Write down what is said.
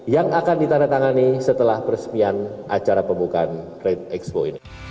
yang akan ditanda tangani setelah peresmian acara pembukaan trade expo ini